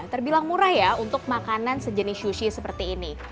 terbilang murah ya untuk makanan sejenis sushi seperti ini